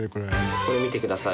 これ見てください。